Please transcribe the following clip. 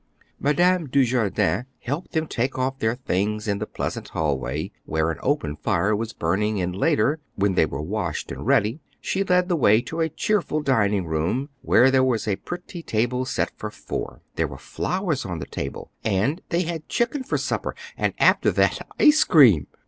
Madame Dujardin helped them take off their things in the pleasant hallway, where an open fire was burning, and later, when they were washed and ready, she led the way to a cheerful dining room, where there was a pretty table set for four. There were flowers on the table, and they had chicken for supper, and, after that, ice cream!